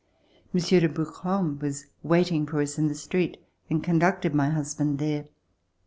Monsieur de Brouquens was waiting for us In the street and conducted my husband there.